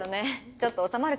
ちょっと収まる